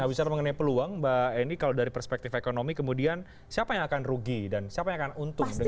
nah bicara mengenai peluang mbak eni kalau dari perspektif ekonomi kemudian siapa yang akan rugi dan siapa yang akan untung